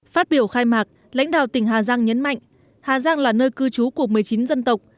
phát biểu khai mạc lãnh đạo tỉnh hà giang nhấn mạnh hà giang là nơi cư trú của một mươi chín dân tộc